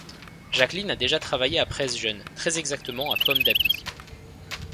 Jacqueline a déjà travaillé à Presse Jeune, très exactement à Pomme d'Api.